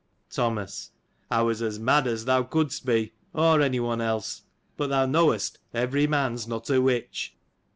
Thomas. — I was as mad as thou couldst be ; or any one else ; but, thou knowest every man 's not a witch.